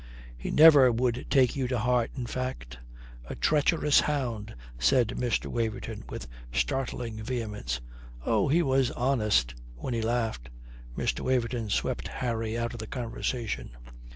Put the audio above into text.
"He never would take you to heart, in fact." "A treacherous hound!" said Mr. Waverton with startling vehemence. "Oh, he was honest when he laughed." Mr. Waverton swept Harry out of the conversation.